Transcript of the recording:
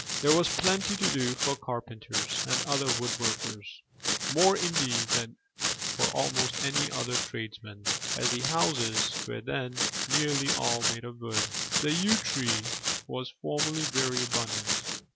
There was plenty to do for carpenters and other wood workers, more indeed than for almost any other tradesmen, as the houses were then nearly all made of wood. The yew tree was formerly very abundant.